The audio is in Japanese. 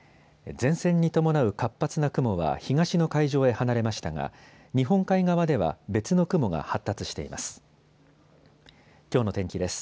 前線に伴う活発な雲は東の海上へ離れましたが日本海側では別の雲が発達しています。